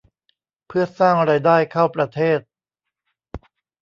เพื่อสร้างรายได้เข้าประเทศ